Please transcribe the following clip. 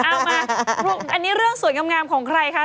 เอามาอันนี้เรื่องสวยงามของใครคะ